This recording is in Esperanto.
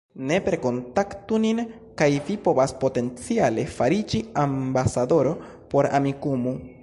Nepre kontaktu nin kaj vi povas potenciale fariĝi ambasadoro por Amikumu